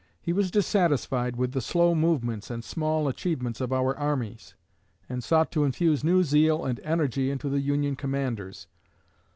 He was dissatisfied with the slow movements and small achievements of our armies, and sought to infuse new zeal and energy into the Union commanders.